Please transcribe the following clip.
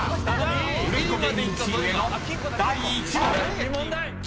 ［売れっ子芸人チームへの第１問］